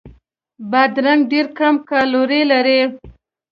بادرنګ ډېر کم کالوري لري.